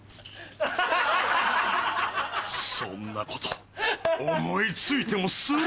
そんなこと思い付いてもするな！